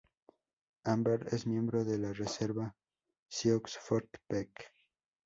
Amber es miembro de la reserva Sioux Fort Peck.